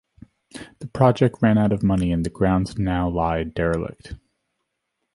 The project ran out of money and the grounds now lie derelict.